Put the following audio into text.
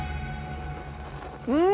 うん！